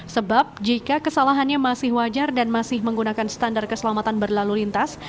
sebab jika kesalahannya masih wajar dan masih menggunakan standar keselamatan berlalu lintas